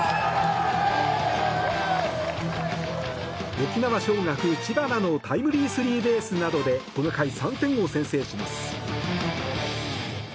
沖縄尚学、知花のタイムリースリーベースなどで今回、３点を先制します。